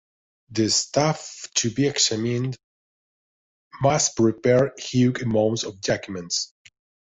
The staff to be examined must prepare huge amounts of documents.